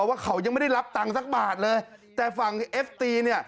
ว่าเขายังไม่ได้รับตังค์สักบาทเลยแต่ฝั่งเอฟตีเนี่ย